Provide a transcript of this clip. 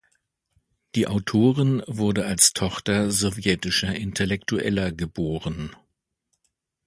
Die Autorin wurde als Tochter sowjetischer Intellektueller geboren.